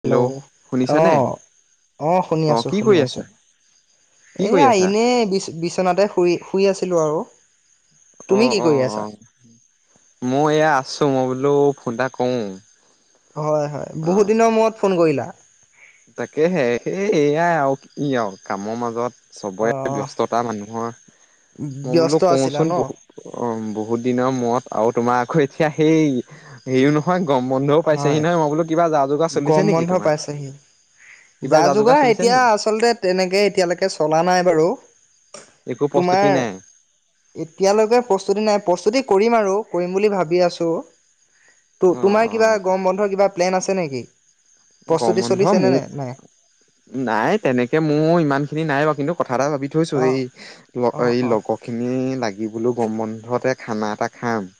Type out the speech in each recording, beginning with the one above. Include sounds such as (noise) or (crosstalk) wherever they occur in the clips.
Hello অ অ শুনি আছো কি শুনি কৰি আছো আছা? কি কৰি এয়া আছা? এনে বিচনাতে শুই শুই আছিলো আৰু অ তুমি কি অ কৰি অ আছা মোৰ এয়া আছে চোমই বোলো ফুোনটা কওঁ হয় হয় বহুত দিনৰ মূৰত ফোন কৰিলা তাকে সে সেই এয়াই আৰু ই আৰু কামৰ মাজত অ চবৰে ব্যস্ততা মানুহৰ মই বোলো ব্যস্ত আছিলা ন কওঁচোন বহুত বহুত দিনৰ মৰত আওট তোমাৰ আকৌ এতিয়া সেই হেৰিও নহয় গৰম বন্ধও হয় পাইছেহি নহয় মই বোলো কিবা যা যোগাাৰ গৰম চিছে নেকি বন্ধ তোমাৰ পাইছেহি কিবা যা যোগাৰ চলিছে এতিয়া নি? আচলতে তেনেকে এতিয়ালৈকে চলা নাই বাৰু একো তোমাৰ প্ৰস্তুতি নাই? এতিয়ালৈকে প্ৰস্তুতি নাই প্ৰস্তুতি কৰিম আৰু কৰিম বুলি ভাবি আছোঁ ত অ' তোমাৰ কিবা অ' গম বন্ধ কিবা প্লেন আছে হৈনেকি গৰম বন্ধ মোৰ নাই তেনেকে মোৰ ইমান খিনি নাই ব কিন্তু কথা ভডা ভাবি থৈছো অ এই অ এই অ লগৰ খিনি লাগিবলৈ প্ৰ বন্ধতে খানা এটা খাম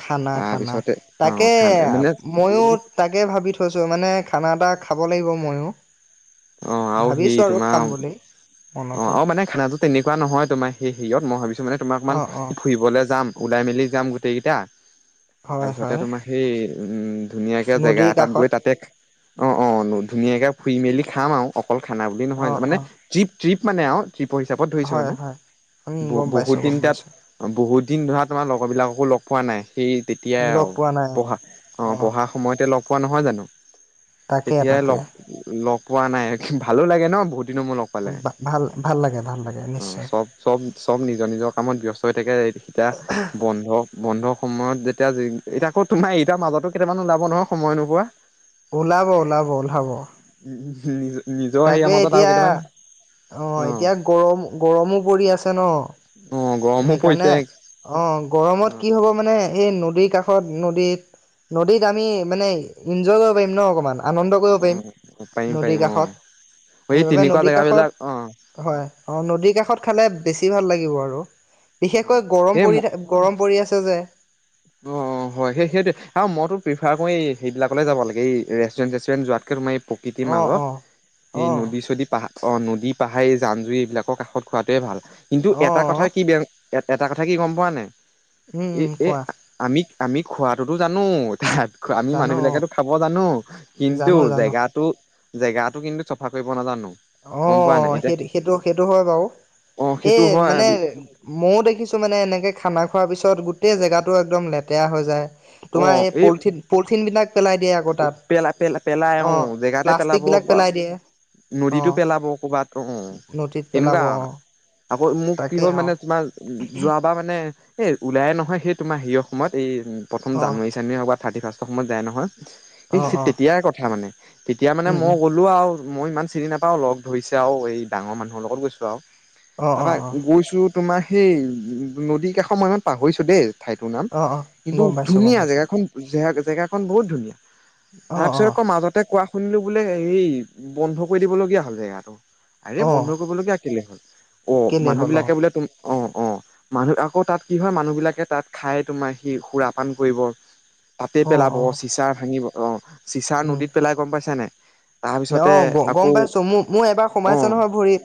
খানা খানা তাৰপিছতে অ তাকে খানা মানে ময়ো তাকে ভাবি থৈছো মানে খানা এটা খাব লাগিব ময়ো অ আৰু সে ভাবিছোঁ তোমাৰ খাম বুলি অ মনতে আৰু মানে খানাটো তেনেকুৱা নহয় তোমাৰ সেই হেৰিয়ত মই ভাবিছো মানে তোমাক অকমান অঁ অঁ ফুৰিবলৈ যাম ওলাই মেলি যাম টেইকেইটা হয় তাৰপিছতে হয় তোমাৰ সেই উম ধুনীয়াকে জেগা নদীৰ এটাত কাষত গৈ তাতে অ অ ধুনীয়াকে ফুই মেলি খাম আৰু ফল খানা বুলি অঁ নহয় মানে অঁ জী ট্ৰিপ মানে আৰু শিপ হিচাপত ধৰিছো হয় মানে হয় উম বু গম বহুত পাইছোঁ দিন গম তাত পাইছোঁ বহুত দিন ধৰা তোমাৰ লগৰবিলাককো লগ পোৱা নাই সেই তেতিয়াই লগ আৰু পোৱা নাই অঁ পঢ়া অ অঁ পঢ়া সময়তে লগ পোৱা নহয় জানো তাকে তেতিয়াই তাকে লগত পোৱা নাই ভালো লাগে ন বহুত বহুত দিনৰ মূৰত লগ পালে ভাল ভাল লাগে ভাল লাগে অ নিশ্চয় চব চব চব নিজৰ নিজৰ কামত ব্য্স্ত হৈ থাকে সতয়া বন্ধ বন্ধ সময়ত যেতিয়া এতিয়া আকৌ তোমাৰ ইতাৰ মাজতো কেইটামান ওলাব নহয় সময় নোপোৱা ওলাব ওলাব ওলাব উঃ (unintelligible) তাকে এতিয়া অ এতিয়া গৰম গৰমো পৰি আছে ন অ গৰমো সেইকাৰণে পৰিছে অ অ গৰমত কি হব মানে সেই নদীৰ কাষত নদীত নদীত আমি মানে ইনজয় কৰিব পাৰিম ন অকমান আনন্দ কৰিব পাৰিম অ পাৰিম নদীৰ পাৰিম অ কাষত এই সেইবাবে তেনেকুৱা নদীৰ জেগাবিলাক অ কাষত হয় অঁ নদীৰ কাষত খালে বেছি ভাল লাগিব আৰু অ বিশেষকৈ গৰম এই ম পৰি থ গৰম পৰি আছে যে অ হয় সেই সেইটোৱে আৰু মইতো খাগৈ এই সেইবিলাকলৈ যাব লাগ এই ৰেুচণ্টুৱেন চেষ্টুৰেণ্ যোৱাতকৈ তোমাৰ প্ৰকৃতিৰ অ' মাজত অ' এই অ' নদী চদী পাহাৰ অ নদী পাহাৰী জান জুৰি এইবিলাকৰ কাষত খোৱাটোৱে ভাল কিন্তু এটা কথা অ' কি বেয়া এটা কথা কি গম পোৱা নাই উম এই উম এই কোৱা আমি আমি খোৱাটোতো জানো তাত আমি মানুহ জানো বিলাকো খাব জানো কিন্তু জানো জানো জেগো জেগাতো কিন্তু চাফা কৰিব নাজানো অ গম পোৱা নাই এতিয়া সেই সেইটো সেইটো হয় বাৰু অ সেই সেইটো হয় মানে ময়ও দেখিছো মানে এনেকে খানা খোৱাৰ পিছত গোট গোটেই জেগাটো একদম লেতেৰা হৈ যায় তোমাৰ এই প কঠিন বিলাক পেলাই দিয়ে আকৌ তাত পেলা পেল অ পেলাইওঁ জেগাতে প্লাষ্টিক পেলাব বিলাক পেলাই দিয়ে। অ টো পেলাব ক'বাত অ নদীত পেলাব তেনেকুৱা অ আকৌ মোক কি তাকে হ'ল অ মানে তোমাৰ যোৱাবাৰ মানে এ ওলাইে নহয় সেই তোমাৰ হিৰ সময়ত এই উ প্ৰথম অ জানুৱাৰী চানুৱাৰি হ'বাত থাৰতি ফাৰ্ৰ সময় যায় নহয় অ স অ তেতিয়াৰ কথা মানে তেতিয়া মানে উম মই উম গ'লো আৰু মই ইমান চিনি নাপাও লগ ধৰিছে আৰু এই ডাঙৰ মানুহৰ লগত গৈছো আৰু অ অ তাপা অ গৈছো তোমাৰ সেই নদীৰ কাষ ময়ত পাহৰিছোঁ দেই ঠাইতৰ নাম অ অ কিন্তু গম পাইছো গম ধুনীয়া পাইছো জেগাখন জ জেগা এ বহুত ধুনীয়া অ তাৰ অ পিছত আকৌ মাজতে কোৱা শুনিলোঁ বোলে হে বন্ধ কৰি দিবলগীয়া হ'ল জেগাটো আৰে অ বন্ধ কৰিবলগীয়া কেলে হল অ কেলে মানুহ হ'ল অ বিলাকে বোলে তুম অ অ মানুহ আকৌ তাত কি হয় মানুহবিলাকে তাত খাই তোমাৰ সি সুৰাপান কৰিব তাতে অ পেলাব অ চিচাৰ ঙিব অ চিচাৰ উম নদীত পেলাই গম পাইছছে নাই অ তাৰপিছতে গ আকৌ গম পাইছো মোৰ মোৰ এবাৰ অ সোমাইছে নহয় ভৰিত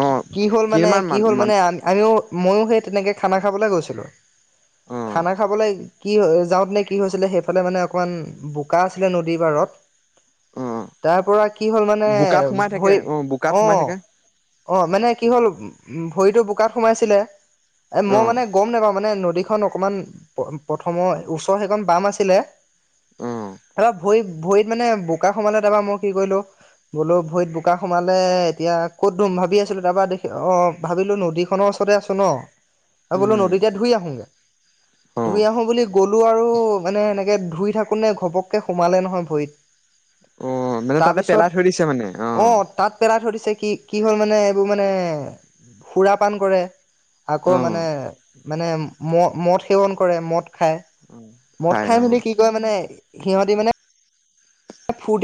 অ কি হ'ল মানে কিমান মান কি হল মান মানে আমিও ময়ো সেই তেনেকে খানা খাবলৈ গৈছিলো অ খানা খাবলৈ কি যাওঁতে নে কি হৈছিলে সেইফালে মানে অকমান বোকা আছিলে নদী পাৰত অ তাৰ পৰা কি হ'ল মানে বোকাত সোমাই থাকে ভৰি অ বোকাত অ সোমাই থাকে অ মানে কি হ'ল উ ভৰিতটো বুকাত সোমাইছিলে এ অ মই মানে গম নাপাওঁ মানে নদী সখন অকমান প্ৰথমৰ ওচৰৰ সেইখন বাম আছিলে অ সব ভই ভৰিত মানে ব বোকা সোমালে তাৰপৰা মই কি কৰিলো বোলো ভৰিত বোকা সোমালে এতিয়া কত ধুম ভাবি আছিলো তাৰপা দেখি অ ভাবিলো নদীখনৰ ওচৰ আছো ন আৰু বোলো উম নদীতে ধুই আহোগে অ ধুই আহো বুলি গলো আৰু মানে এনেকে ধুই থাকোঁনে ঘপককৈ সোমালে নহয় ভৰিত অ মানে তাৰ তাতে পেলাই থৈ দিছে মানে পিছত অ তাত পেলই থৈ দিছে কি কি হ'ল মানে এইবোৰ মানে সুৰাপান কৰে আকৌ অ মানে মানে ম মদ সেৱন কৰে মদ খায় অ মদ খাই অ মেলি কি কয় মানে সিহঁতি মানে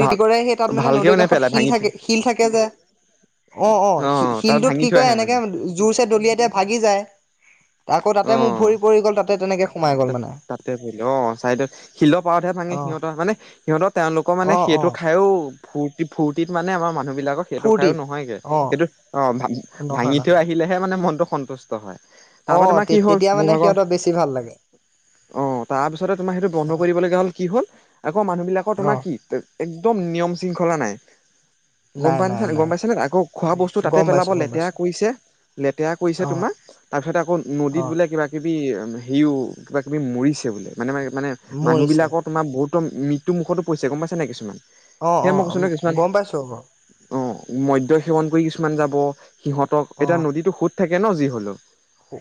ভাল কৰে সেই তাত মানে ভালকেও নদীৰ কাষত নেপেলাই শিল ভাঙি থৈ থাকে শিল থাকে যে অ অ শ তাত শিলটোত ভাঙি কি থৈ ক আহে মানে এনেকে জোৰ চ দলিয় এতিয়া ভাগি যায় আকৌ অ তাতে মোৰ ভৰি পৰি গ'ল তাতে তেনেকে সোমাই গ'ল মানে তাতে পৰিলে অ চাইদত শিলৰ পাৰতহে ভাঙে অ সিহঁতৰ মানে সিহঁতৰ তেওঁলোকৰ মানে অ অ সেইটো খাইও ফূ্তি ফুৰ্তিত মানে আমাৰ মানুহ বিলাকক সেইটো ফূৰ্তি খাইও নহয়গে অ সেইটো অ নহয় ভাঙি থৈ নহয় আহিলেহে মানে মনটো সন্তুষ্ট হয় অ তাৰপৰা তোমাৰ কি হ'ল তেতিয়া মোৰ মানে ভাগৰ সিহঁতৰ বেছি ভাল লাগে অ তাৰপিছতে তোমাৰ সেইটো বন্ধ অ কৰিব লগা হ'ল কি হল আকৌ মানুহ বিলাকৰ অ তোমাৰ কি একদম নিয়ম চী শঙা নাই গম নাই নাই পাইছানাই গম নাই পাইছোনে আকৌ খোৱা বস্তু তাতে গম পেলাব পাইছো গম লেতেৰা পাইছো কৰিছে লেতেৰা কৰিছে অ তোমাৰ তাৰপিছত আকৌ অ নদীত বুলে কিবা কিবি বোলে কিবা কিবি ওম সিও কিবা কিবি মৰিছে বোলে মানে মে মানে মৰিছে মানুহবিলাকৰ তোমাৰ বহুত মৃত্যু মুখতো পইছে গম পাইছে নে কিছুমান অ সেয়া অ মই গম পাইছো বাৰু মদয় সেৱন কৰি কিছুমান যাব সিহঁতক অ এতিয়া নদীটো সোত থাকে ন যি হলো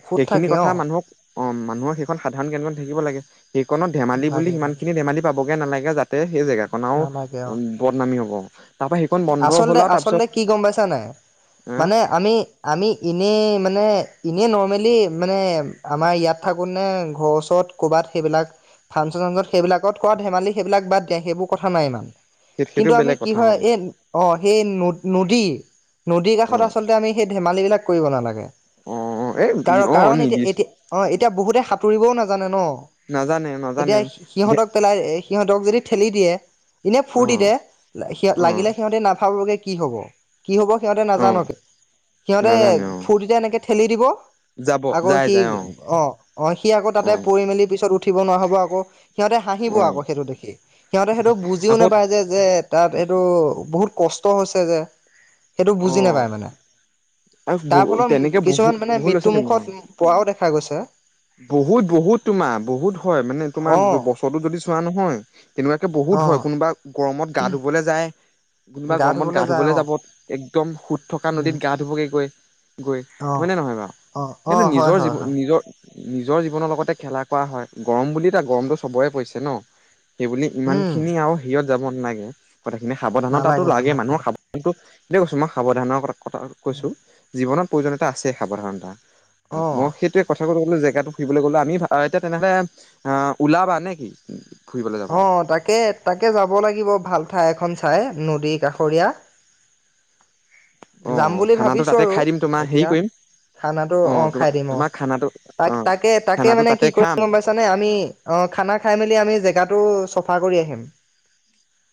সুত সেইখিনি থাকে অ কথা মানুহক অ মানুহৰ খে খন সাধাৰণ জ্ঞান থাকিব লাগে সেইখনত ধমালি বুলি লাগে সিমান লাগে খিনি ধেমালি পাব বগে নালাগে তাতে সেই জেগাখন ও নালাগে অ বদনামি হব তাৰ পৰা সেইখন বন্ধ হ'ল আচলতে আৰু আচলতে তাৰপিছত কি গম পাইছা নাই আহ মানে আমি আমি ইনে মানে এনেই নৰ্মেলী মানে আমাৰ ইয়াত থাকো নে ঘৰৰওচৰত ক'ৰবাত সেইবিলাক ফাংচন চাংচন সেইবিলত কৰাত ধেমালি সেইবিলাক বাদ দিয়ে সেইবোৰ কথা নাই ইমান সেই সেইটো কিন্তু আমি বেলেগ কি কথা হয় ন এই অ সেই ন নদী নদীৰ অ কাষত আচলতে আমি সেই ধেমালি বিলাক কৰিব নালাগে অ অ এই কাৰণ অ কাৰণ এতিয়া নিদিছ এতিয়া অ এতিয়া বহুতে সাঁতুৰিবও নাজানে ন নাজানে নাজানে এতিয়া দে সিহঁতক পেলাই সিহঁতক যদি ঠেলি দিয়ে ইনে অ ফুৰ্টিতে অ লাগিলে সিহতে নাভাবে তেওঁলোকে কি হব কি হব সিহঁতে অ নাজানকে সিহঁতে নাজানে অ ফুৰ্তিতে এনেকে ঠেলি দিব যাব আকৌ যাই সি যাই অ অ সি আকৌ অ তাতে পৰি মেলি পিছত উঠিব নোৱাৰা হ'ব আকৌ সিহঁতে হাঁহিব অ আকৌ সেইটো দেখি সিহঁতে সেইটো বুজিও আকৌ নোপায় যে তাত এইটো বহুত কষ্ট হৈছে যে সেইটো অ বুজি নাপায় মানে আৰু তাৰ বহু তেনেকে ফলত বহু কিছুমান মানে বহুত ল'ৰা মৃত্যু ছোৱালী মুুখত অ পোৱাও দেখা গৈছে বহুত বহুত তোমাৰ বহুত হয় মানে অ তোমাৰ বছৰো যদি চোৱা নহয় তেনেকুৱাকে অ বহুত হয় কোনোবা গৰমত গা ধুবলে যায় কোনোবা গৰমত গা ধুবলৈ যাব একদম সুত থকা উম নদীত গা ধুবকে গৈ। গৈ অ হয়নে নহয় বাৰু অ অ সেইতো হয় নিজৰ হয় জীৱন হয় নিজৰ। নিজৰ জীৱনৰ লগতে খেলা কৰা হয় গৰম বুলি তা গৰমটো চবৰে পৰিছে ন সেইবুলি ইমান উম খিনি আৰু সেইয়ত। যাব নাগে কথাখিনি সাৱধানতাটো নালাগে লাগে নালাগে মানুহৰ সাৱধানতো দে কৈছো মই সাৱধানৰ কথা কথা কৈছো জীৱনত। প্ৰয়োজনীয়তা আছে সাৱধানণতা অ মই সেইটোৱেই কথা মই বোলো জেগাতটো ফুৰিবলৈ গলো আমি এতিয়া তেনেহলে অ ওলাবা নে কি ফুৰিবলৈ অ যাবলৈ তাকে তাকে যাব লাগিব ভালকে। ঠাই এখন চাই নদী কাষৰীয়া। অ যাম বুলি খানাটো ভাবিছোঁ তাতে আৰু খাই দিম তোমাৰ হেৰি এতিয়া কৰিম খানাতো অ তোমাৰ খাই দিম অ তোমাৰ খানাটো তাক অ তাকে তাকে খানাটো মানে তাতে কি খাম কৰিম গম পাইছানে আমি অ খানা খাই মেলি আমি জেগাত তু চফা কৰি আহিম।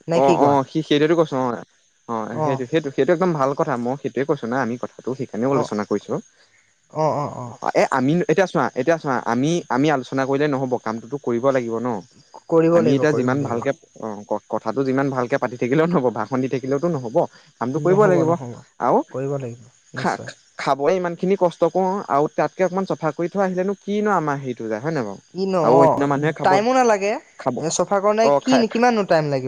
নে অ কি অ কোৱা সি সেইটোৱেই কৈছো অ অ সেইটো সেইটো সেইটো একদম ভাল কথা মই সেইটোৱেই কৈছ না আমি কথা তাতটো সেইকাৰণেও অ আলোচনা কৰিছোঁ অ এ আমি এতিয়া চোৱা এতিয়া চোৱা আমি আমি আলোচনা কৰিলে নহ'ব কামটোতো কৰিব কৰিব লাগিব ন কৰিব আমি লাগিব এতিয়া কৰিব যিমান লাগিব ভালকে অ ক কথাটো যিমান ভালকৈ পাতি থাকিলেও নহ'ব ভা শুনি থাকিলেওতো নহ'ব কামটো কৰিবই নহ'ব লাগিব নহ'ব আৰু কৰিব লাগিব খা নিশ্চয় খাবই ইমান। সেইখিনি কষ্ট কৰোঁ আৰু তাতকৈ অকণমান চফা কৰি থোৱা আহিলেনো কি ন আমাৰ হেৰিটো যায়। হয় নাই বাৰু। কি ন আৰু অ অন্য মানুহে খাব টাইমো নালাগে খাব এ চফা কৰা নাই অ', কি খাই কিমান টাইম লাগে।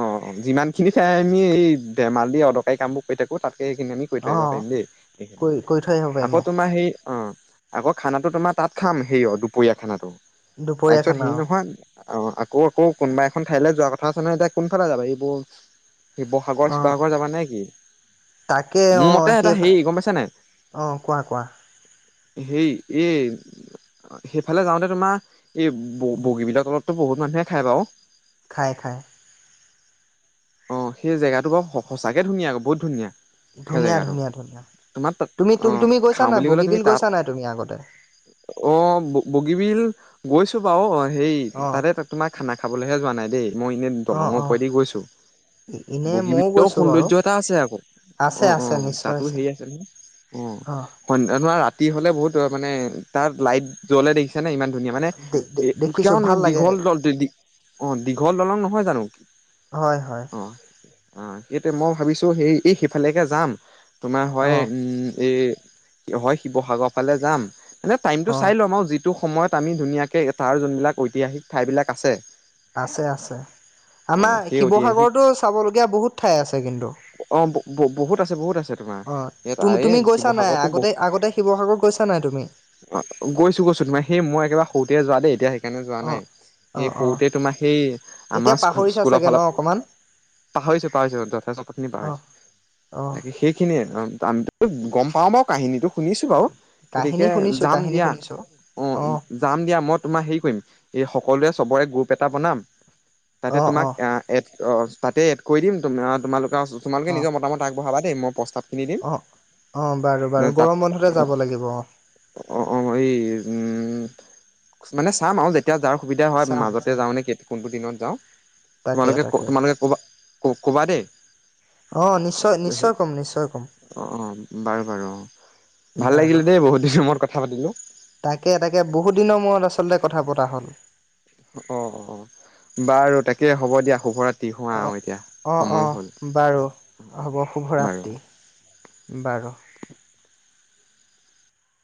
অ যিমান খিনি চাই আমি এই। ধেমাল দি অদৰকাৰী কাম বোৰ কৰি থাকোঁ তাত এইখিনি আমি কৰি অ থাকিব পাৰিম দেই সেইখিনি কৰি কৰি থৈ আহিব আকৌ পাৰিম অ তোমাৰ সেই অ আকৌ খানাো তোমাৰ তাত খাম সে অ দুপৰীয়া খানাটো দুপৰীয়া তাৰপিছত সি খানা অ নহয় অ আকৌ আকৌ কোনোবা এখন ঠাই যোৱা ক চ নাইয়া কোনফালে যাবা এইবোৰ শিৱসাগৰ অ শিৱসাগৰ যাবা নে কি তাকে মোৰ অ মতে এটা সেইফাল হেৰি গম পাইছা নাই অ কোৱা কোৱা হেই এই সেইফালে যাওঁতে তোমাৰ এই ব বগী বিলত তলত অলপ বহুত মানুহে খাই বাও খায় খায় অ সেই জেগাটো বাৰু সঁচাকে ধুনীয়া বহুত ধুনীয়া সেই ধুনীয়া জেগাটো ধুনীয়া ধুনীয়া তোমাৰ তুমি আহ তুমি গৈছা খাওঁ নাই বুলি কলে তুমি বগীবিল তাত গৈছা নাই তুমি আগতে? অ বগীবিল গৈছো বাৰু অ সেই অঁ তাতে তোমাৰ খানা খাবলৈহে যোৱা নাই দেই মই এনে অঁ দলঙৰ অঁ পৰেদি গৈছো এনে বগীবৰ ময়ও গৈছো বাৰু সৌন্দৰ্য এটা আছে আকৌ আছে অ অ আছে নিশ্চয় তাতো হেৰি আছে নহয় অ অঁ সন্ধা ধৰা ৰাতি হ'লে বহুত তাৰ মানে তাত লাইট জ্বলে দেখিছে নে ইমান ধুনীয়া মানে এ দেখিছো কন ভাল লাগে দীঘল দল অ নহয় জানো হয় হয় অ', অ সেই মই ভাবিছো সেই এই সিফালেকে যাম তোমাৰ হয় অঁ এই হয় শিৱসাগৰ ফালে যাম এনে টাইমটো অঁ চাই ল'ম আৰু সয়টো সময়ত আমি ধুনীয়াকৈ তাৰ যোনবিলাক ঐতিহাসিক ঠাইবিলাক আছে আছে আছে অ আমাৰ সেই ঐতিহাসিক শিৱসাগৰতো চাবলগীয়া বহুত ঠাই আছে কিন্তু অ বহুত আছে বহুত আছে তোমাৰ অ ইয়াত তু আৰে তুমি গৈছা নাই শিৱসাগৰতো বহু আগতে আগতে শিৱসাগৰত গৈছা নাই তুমি তে যোৱা দে এতিয়া সেইকাৰণে যোৱা অঁ নাই এই অঁ অঁ সৰুতে তোমাৰ সেই আমাৰ এতিয়া পাহৰিছা স্কুলৰ চাগে ন ফালত অকণমান পাহৰিছো পাহৰিছো যথেষ্টখিনি অঁ পাহৰিছো অঁ তাকে সেইখিনিয়ে গম পাওঁ বাৰু কাহিনীটো শুনিছোঁ বাৰু কাহিনী গতিকে শুনিছোঁ যাম কাহিনী দিয়া শুনিছোঁ অঁ যাম দিয়া মই তোমাৰ হেৰি কৰিম এই সকলোৱে চবৰে গ্ৰুপ এটা বনাম তাতে অঁ তোমাক অঁ এড। তাতে এড কৰি দিম অ তোমালোক। তোমালোকে অঁ নিজৰ মতা মত আগবঢ়াবা। এই মই প্ৰস্তাৱ। কি দিম অ অ বাৰু হে বাৰু তাত গৰম বন্ধতে যাব লাগিব অ অ অ এই। মানে চাম আৰু। য়েতিয়া যাৰ সুবিধা হয় চাম মাজত। এতিয়া চাম যাও নে ফোন কৰিছে। দিনত যাওঁ। তাকে তোমালোকে তাকে তোমালোকে ক'বা। ক'বা দেই। নিশ্চয় অ নিশ্চয় ক'ম নিশ্চয় ক'ম অ অ বাৰু বাৰু অ ভাল বাৰু লাগিলে দেই বহুত দিনৰ মোৰত কথা পাতিলো। তাকে তাকে বহুত দিনৰ মূৰত আচলতে কথা পতা হ'ল। অ অ বাৰু তাকে হ'ব দিয়া শুভ ৰাত্ৰি। অঁ অঁ অঁ বাৰু হ'ব বাৰু শুভৰাতি বাৰু।